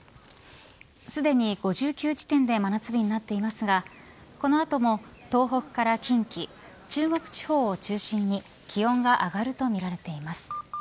すでに５９地点で真夏日になっていますがこの後も東北から近畿中国地方を中心に気温が上がるとみられています。